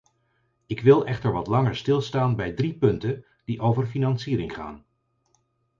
Ik wil echter wat langer stilstaan bij drie punten die over financiering gaan.